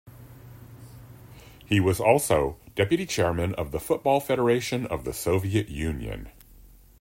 He was also deputy chairman of the Football Federation of the Soviet Union.